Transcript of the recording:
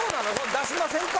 出しませんか？